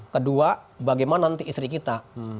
kedua bagaimana nanti istri kita